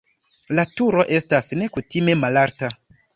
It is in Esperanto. La turo estas nekutime malalta.